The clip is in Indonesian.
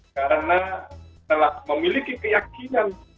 karena telah memiliki keyakinan